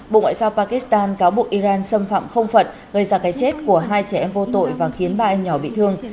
bộ ngoại giao pakistan cáo buộc iran xâm phạm không phận gây ra cái chết của hai trẻ em vô tội và khiến ba em nhỏ bị thương